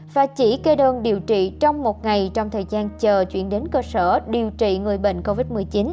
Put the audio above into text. và chỉ kê đơn điều trị trong một ngày trong thời gian chờ chuyển đến cơ sở điều trị người bệnh covid một mươi chín